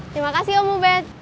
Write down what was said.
terima kasih om ubet